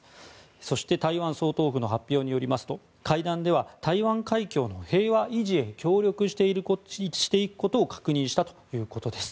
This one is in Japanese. そして台湾総統府の発表によりますと会談では台湾海峡の平和維持へ協力していくことを確認したということです。